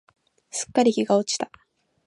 すっかり日が落ちた。